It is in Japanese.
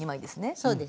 そうですね。